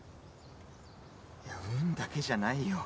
いや運だけじゃないよ。